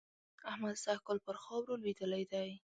احمد سږ کال پر خاورو لوېدلی دی.